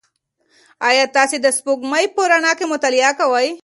ایا تاسي د سپوږمۍ په رڼا کې مطالعه کوئ؟